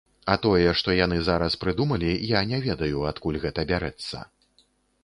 А тое, што яны зараз прыдумалі, я не ведаю, адкуль гэта бярэцца.